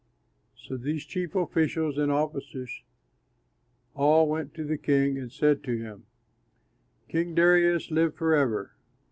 So these chief officials and officers all went to the king, and said to him, "King Darius, live forever.